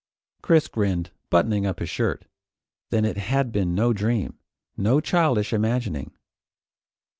Chris grinned, buttoning up his shirt. Then it had been no dream, no childish imagining.